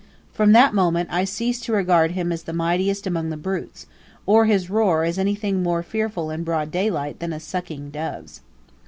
From that moment I ceased to regard him as the "mightiest among the brutes;" or his roar as anything more fearful in broad daylight than a sucking dove's.